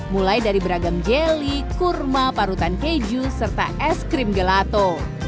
mulai dari beragam jelly kurma parutan keju serta es krim gelato